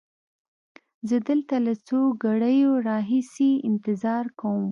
زه دلته له څو ګړیو را هیسې انتظار کومه.